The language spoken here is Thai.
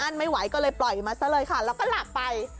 ไม่ไหวก็เลยปล่อยมาซะเลยค่ะแล้วก็หลับไป